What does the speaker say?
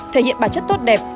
thể hiện bản chất tốt đẹp